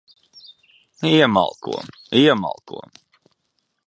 Iemalko. Iemalko.